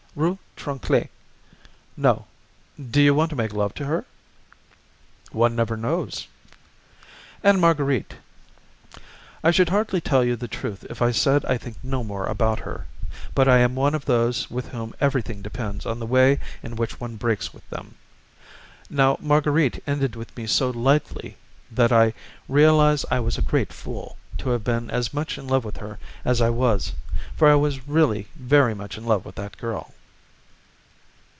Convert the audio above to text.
"Rue Tronchet, No.—. Do you want to make love to her?" "One never knows." "And Marguerite?" "I should hardly tell you the truth if I said I think no more about her; but I am one of those with whom everything depends on the way in which one breaks with them. Now Marguerite ended with me so lightly that I realize I was a great fool to have been as much in love with her as I was, for I was really very much in love with that girl."